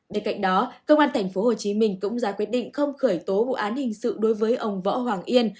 bên cạnh đó công an tp hcm cũng ra quyết định không khởi tố vụ án hình sự đối với ông võ hoàng yên